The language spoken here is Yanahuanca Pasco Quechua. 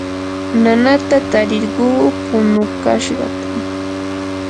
nanata tarirquu punukashqatam